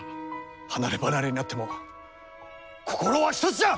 離れ離れになっても心は一つじゃ！